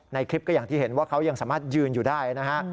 ในคลิปก็อย่างที่เห็นว่าเขายังสามารถยืนอยู่ได้นะฮะ